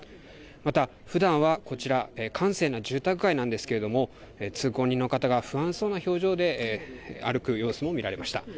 またふだんはこちら、閑静な住宅街なんですけれども通行人の方が不安そうな表情で歩く様子も見られました。